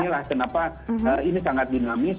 ini lah kenapa ini sangat dinamis